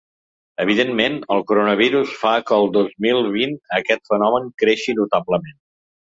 Evidentment, el coronavirus fa que el dos mil vint aquest fenomen creixi notablement.